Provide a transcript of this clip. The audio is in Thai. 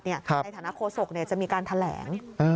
ในฐานะโฆษกจะมีการแถลง